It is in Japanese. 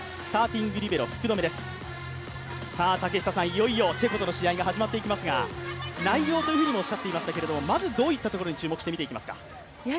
いよいよチェコとの試合が始まっていきますが内容というふうにおっしゃっていましたが、まずどういったところに注目して見ていきますか？